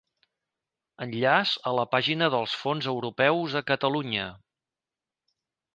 Enllaç a la pàgina dels Fons Europeus a Catalunya.